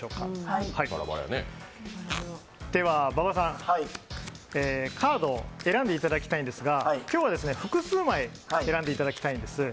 では、馬場さん、カードを選んでいただきたいんですが、今日は複数枚、選んでいただきたいんです。